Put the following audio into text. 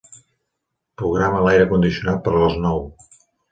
Programa l'aire condicionat per a les nou.